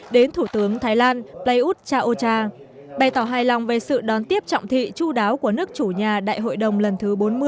đến thủ tướng thái lan prayuth chaocha bày tỏ hài lòng về sự đón tiếp trọng thị chú đáo của nước chủ nhà đại hội đồng lần thứ bốn mươi